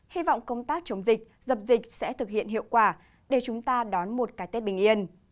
hy vọng công tác chống dịch dập dịch sẽ thực hiện hiệu quả để chúng ta đón một cái tết bình yên